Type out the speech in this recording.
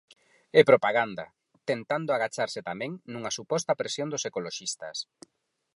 E propaganda, tentando agacharse tamén nunha suposta presión dos ecoloxistas.